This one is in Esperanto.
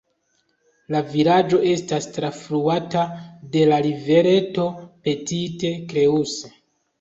La vilaĝo estas trafluata de la rivereto Petite Creuse.